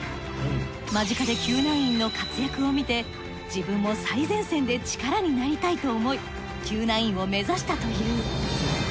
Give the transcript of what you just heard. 間近で救難員の活躍を見て自分も最前線で力になりたいと思い救難員を目指したという。